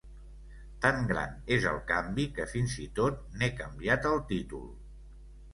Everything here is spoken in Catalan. Tan gran és el canvi, que fins i tot n’he canviat el títol.